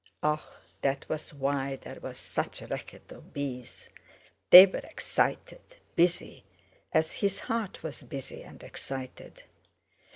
Ah! that was why there was such a racket of bees. They were excited—busy, as his heart was busy and excited.